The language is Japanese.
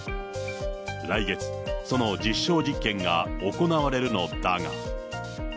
来月、その実証実験が行われるのだが。